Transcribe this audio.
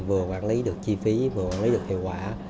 vừa quản lý được chi phí vừa quản lý được hiệu quả